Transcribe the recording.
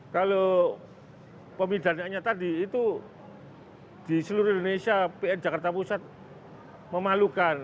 kalau pemindahannya tadi itu di seluruh indonesia pn jakarta pusat memalukan